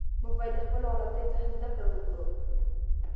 موږ باید د خپلو غلطیو څخه زده کړه وکړو.